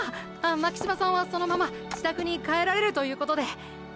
巻島さんはそのまま自宅に帰られるということで。